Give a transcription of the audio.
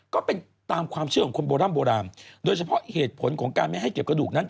ก็เป็นตามความเชื่อของคนโบร่ำโบราณโดยเฉพาะเหตุผลของการไม่ให้เก็บกระดูกนั้น